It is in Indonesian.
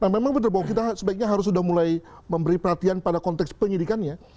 memang benar bahwa kita sebaiknya harus sudah mulai memberi perhatian pada konteks penyidikannya